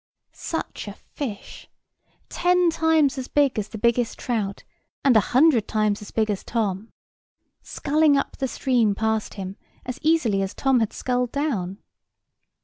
Such a fish! ten times as big as the biggest trout, and a hundred times as big as Tom, sculling up the stream past him, as easily as Tom had sculled down.